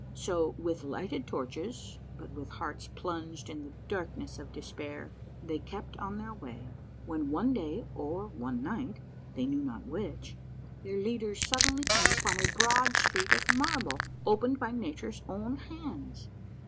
"So, Avith lighted torches but Avith hearts plunged in the darkness of despair, they kept on their Avay, when one day, or one night, they kneAV not Avhich, their leaders suddenly came upon a broad street of marble opened by nature's own hands.